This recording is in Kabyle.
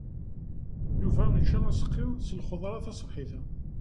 Yuba yečča aseqqi s lxeḍra taṣebḥit-a.